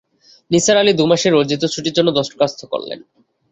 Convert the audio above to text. নিসার আলি দুমাসের অর্জিত ছুটির জন্যে দরখাস্ত করলেন।